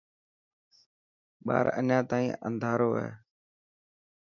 ٻار اڃا تائين انڌارو هي.